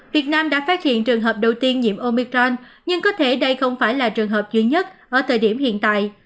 việt nam đã phát hiện trường hợp đầu tiên nhiễm omicron nhưng có thể đây không phải là trường hợp duy nhất ở thời điểm hiện tại